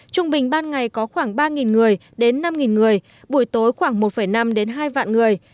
trung bình ban ngày có khoảng ba người đến năm người buổi tối khoảng một năm đến hai vạn người